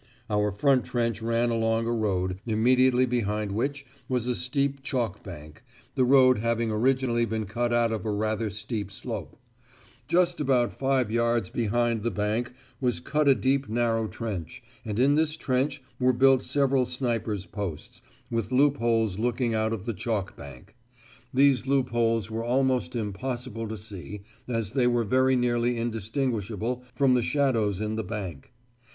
Our front trench ran along a road, immediately behind which was a steep chalk bank, the road having originally been cut out of a rather steep slope. You will see the lie of the ground clearly enough on Map III. Just about five yards behind this bank was cut a deep narrow trench, and in this trench were built several snipers' posts, with loopholes looking out of the chalk bank. These loopholes were almost impossible to see, as they were very nearly indistinguishable from the shadows in the bank.